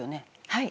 はい。